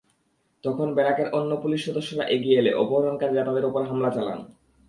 তখন ব্যারাকের অন্য পুলিশ সদস্যরা এগিয়ে এলে অপহরণকারীরা তাঁদের ওপর হামলা চালান।